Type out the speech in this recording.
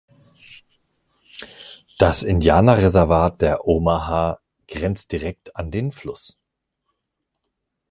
Das Indianerreservat der Omaha grenzt direkt an den Fluss.